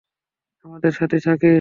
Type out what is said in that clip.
আমাদের সাথেই থাকিস!